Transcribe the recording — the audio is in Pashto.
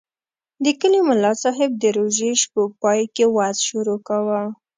د کلي ملاصاحب د روژې شپو پای کې وعظ شروع کاوه.